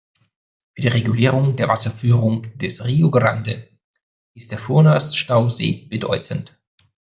Für die Regulierung der Wasserführung des Rio Grande ist der Furnas-Stausee bedeutend.